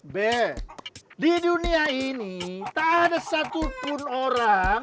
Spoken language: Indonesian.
be di dunia ini tak ada satupun orang